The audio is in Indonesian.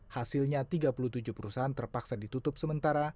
hasilnya tiga puluh tujuh perusahaan terpaksa ditutup sementara